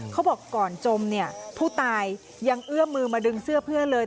เขาบอกก่อนจมเนี่ยผู้ตายยังเอื้อมือมาดึงเสื้อเพื่อนเลย